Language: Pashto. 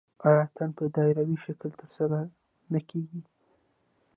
آیا اتن په دایروي شکل ترسره نه کیږي؟